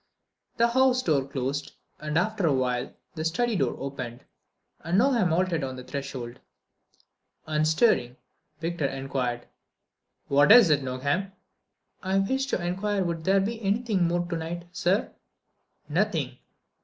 The house door closed, and after a little the study door opened, and Nogam halted on the threshold. Unstirring Victor enquired: "What is it, Nogam?" "I wished to enquire would there be anything more to night, sir." "Nothing."